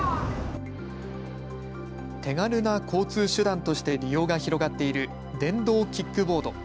手軽な交通手段として利用が広がっている電動キックボード。